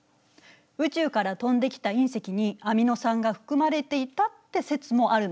宇宙から飛んできた隕石にアミノ酸が含まれていたって説もあるのよ。